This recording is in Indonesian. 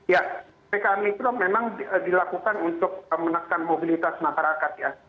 ya ppkm mikro memang dilakukan untuk menekan mobilitas masyarakat ya